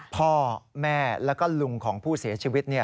พ่อแม่แล้วก็ลุงของผู้เสียชีวิต